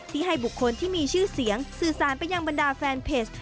ให้บุคคลที่มีชื่อเสียงสื่อสารไปยังบรรดาแฟนเพจ